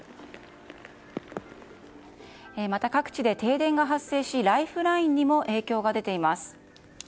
また各地で停電が発生しライフラインにも影響が出ています。